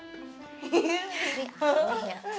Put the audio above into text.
siri aneh ya